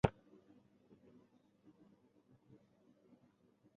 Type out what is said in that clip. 小枝具星状短柔毛。